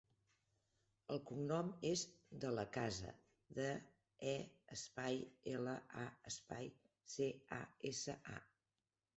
El cognom és De La Casa: de, e, espai, ela, a, espai, ce, a, essa, a.